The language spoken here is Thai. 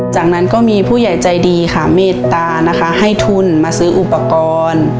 จากนั้นก็มีผู้ใหญ่ใจดีค่ะเมตตานะคะให้ทุนมาซื้ออุปกรณ์